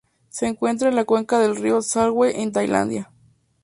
Se encuentra en la cuenca del río Salween en Tailandia.